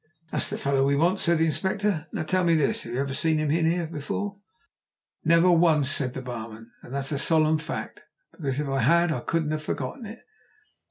"That's the fellow we want," said the Inspector. "Now tell me this, have you ever seen him in here before?" "Never once," said the barman, "and that's a solemn fact, because if I had I couldn't have forgotten it.